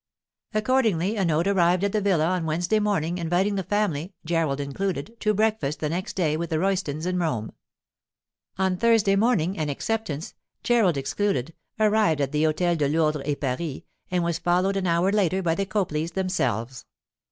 Accordingly a note arrived at the villa on Wednesday morning inviting the family—Gerald included—to breakfast the next day with the Roystons in Rome. On Thursday morning an acceptance—Gerald excluded—arrived at the Hôtel de Lourdres et Paris, and was followed an hour later by the Copleys themselves.